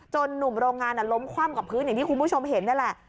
หนุ่มโรงงานล้มคว่ำกับพื้นอย่างที่คุณผู้ชมเห็นนี่แหละ